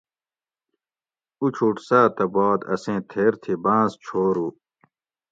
اچوٹ سات بعد اسیں تھیر تی بانز چھورو